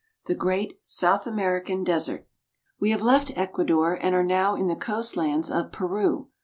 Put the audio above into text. THE GREAT SOUTH AMERICAN DESERT. w E have left Ecuador and are now in the coast lands 'V of Peru.